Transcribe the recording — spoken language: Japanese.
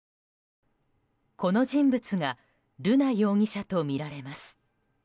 この人物が瑠奈容疑者とみられます。